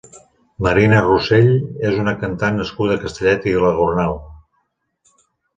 Marina Rossell és una cantant nascuda a Castellet i la Gornal.